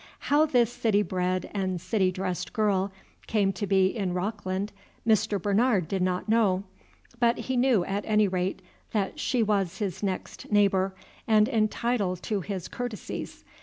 How this citybred and city dressed girl came to be in Rockland Mr. Bernard did not know, but he knew at any rate that she was his next neighbor and entitled to his courtesies.